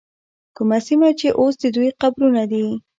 کومه سیمه کې چې اوس د دوی قبرونه دي.